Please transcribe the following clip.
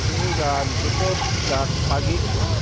sudah ditutup sudah pagi